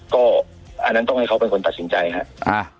ก็อันนั้นต้องให้เขาเป็นคนตัดสินใจครับ